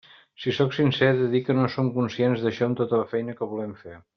Si sóc sincer, he de dir que no som conscients d'això amb tota la feina que volem fer.